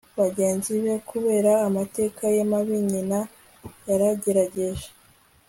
bagenzi be kubera amateka ye mabi. nyina yaragerageje